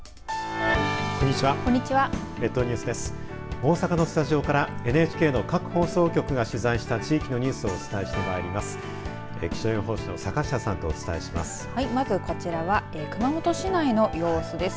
大阪のスタジオからＮＨＫの各放送局が取材した地域のニュースをお伝えしてまいります。